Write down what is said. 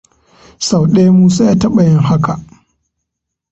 Sau daya Musa ya taba yin haka.